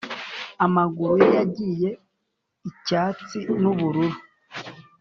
amaguru ye yagiye icyatsi n'ubururu.